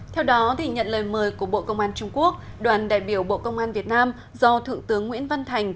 theo đó nhận lời mời của bộ công an trung quốc đoàn đại biểu bộ công an việt nam do thượng tướng nguyễn văn thành